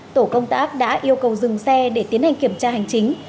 tổ công tác đã yêu cầu dừng xe để tiến hành kiểm tra hành chính